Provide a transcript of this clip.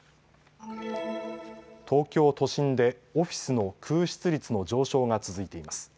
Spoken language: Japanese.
東京都心でオフィスの空室率の上昇が続いています。